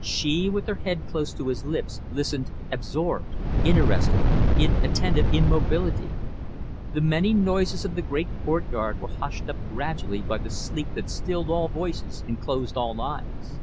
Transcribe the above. She, with her head close to his lips, listened absorbed, interested, in attentive immobility. The many noises of the great courtyard were hushed up gradually by the sleep that stilled all voices and closed all eyes.